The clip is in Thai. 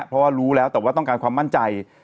เพราะว่ารู้แล้วแต่ว่าต้องการความมั่นใจ